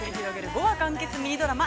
５話完結ミニドラマ。